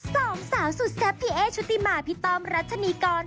สองสาวสุดแซ่บพี่เอ๊ชุติมาพี่ต้อมรัชนีกร